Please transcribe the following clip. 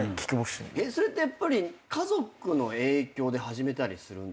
それってやっぱり家族の影響で始めたりするんですか？